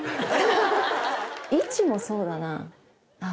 位置もそうだな。